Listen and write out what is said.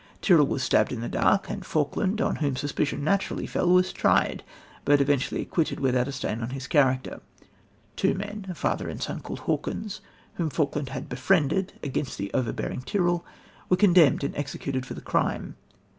Tyrrel was stabbed in the dark, and Falkland, on whom suspicion naturally fell, was tried, but eventually acquitted without a stain on his character. Two men a father and son called Hawkins whom Falkland had befriended against the overbearing Tyrrel, were condemned and executed for the crime.